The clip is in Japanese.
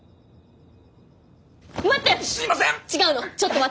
待って！